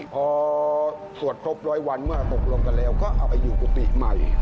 พอสวดครบร้อยวันเมื่อตกลงกันแล้วก็เอาไปอยู่กุฏิใหม่